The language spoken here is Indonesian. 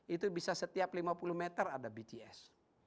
itu bisa setiap lima puluh meter ada bts